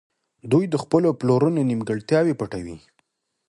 دوی د خپلو پلرونو نيمګړتياوې پټوي.